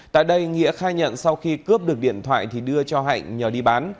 tại đây nghĩa khai nhận sau khi cướp được điện thoại thì đưa cho hạnh nhờ đi bán